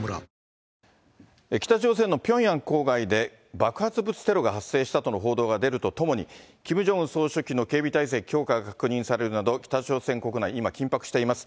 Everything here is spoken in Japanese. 爆発物テロが発生したとの報道が出るとともに、キム・ジョンウン総書記の警備体制強化が確認されるなど、北朝鮮国内、今、緊迫しています。